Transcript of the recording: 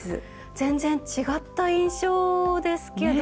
全然違った印象ですけど。